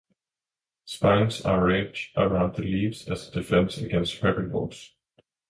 Spines are arranged around the leaves as a defense against herbivores.